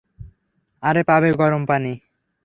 আর পাবে গরম পানি।